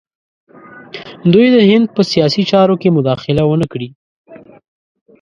دوی د هند په سیاسي چارو کې مداخله ونه کړي.